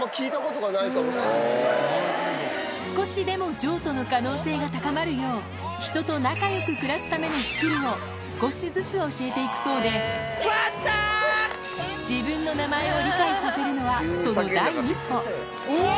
少しでも譲渡の可能性が高まるよう人と仲良く暮らすためのスキルを少しずつ教えていくそうで自分の名前を理解させるのはその第一歩うわ！